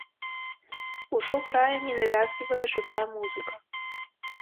Ужо грае ненавязлівая жывая музыка.